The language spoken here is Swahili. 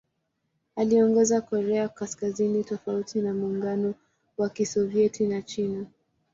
Aliongoza Korea Kaskazini tofauti na Muungano wa Kisovyeti na China.